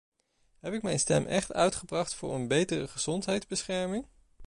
Heb ik mijn stem echt uitgebracht voor een betere gezondheidsbescherming?